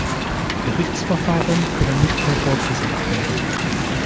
Gerichtsverfahren können nicht mehr fortgesetzt werden.